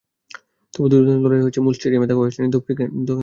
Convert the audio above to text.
তবে দুর্দান্ত লড়াই হয়েছে মূল স্টেডিয়ামে হওয়া ওয়েস্ট ইন্ডিজ-দক্ষিণ আফ্রিকা ম্যাচে।